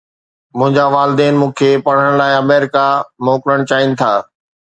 منهنجا والدين مون کي پڙهڻ لاءِ آمريڪا موڪلڻ چاهين ٿا